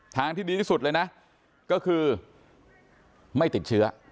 ทางที่ดีที่สุดเลยนะก็คือไม่ติดเชื้อ